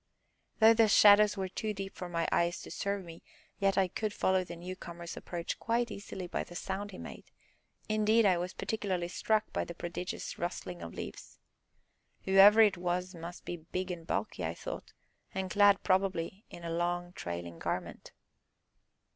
Though the shadows were too deep for my eyes to serve me, yet I could follow the newcomer's approach quite easily by the sound he made; indeed, I was particularly struck by the prodigious rustling of leaves. Whoever it was must be big and bulky, I thought, and clad, probably, in a long, trailing garment.